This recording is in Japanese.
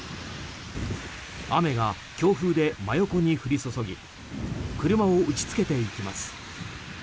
雨が強風で真横に降り注ぎ車を打ち付けていきます。